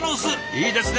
いいですね。